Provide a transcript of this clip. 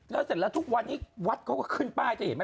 แล้วเสร็จแล้วทุกวันนี้วัดเขาก็ขึ้นป้ายจะเห็นไหม